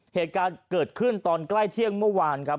เหตุการณ์เกิดขึ้นตอนใกล้เที่ยงเมื่อวานครับ